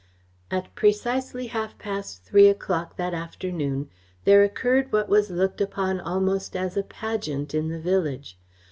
At precisely half past three o'clock that afternoon there occurred what was looked upon almost as a pageant in the village.